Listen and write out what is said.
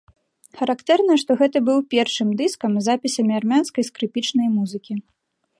Характэрна, што гэта быў першым дыскам з запісамі армянскай скрыпічнай музыкі.